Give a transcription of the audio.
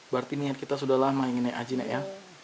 berarti niat kita sudah lama ingin naik haji nak ya